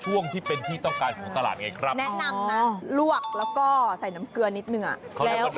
ช่วงที่เป็นที่ต้องการถึงขนกระหลาดยังไงครับ